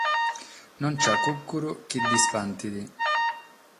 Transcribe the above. Non b’at cùcuru chi l’ispantet.